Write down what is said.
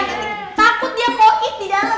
takut dia pokit di dalam